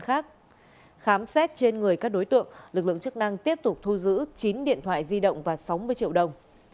khám xét trên người các đối tượng lực lượng chức năng tiếp tục thu giữ chín điện thoại di động và sáu mươi triệu đồng